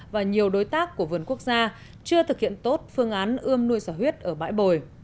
và nhiều đối tác của vườn quốc gia chưa thực hiện tốt phương án ươm nuôi xà huyết ở bãi bồi